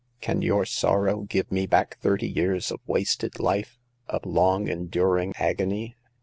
Can your sorrow give me back thirty years of wasted life—of long enduring agony?